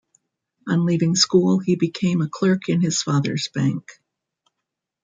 On leaving school he became a clerk in his father's bank.